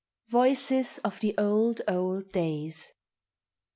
Voices of the Old, Old Days.